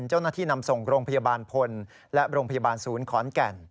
เจ้าหน้าที่นำส่งโรงพยาบาลพลและโรงพยาบาลศูนย์ขอนแก่น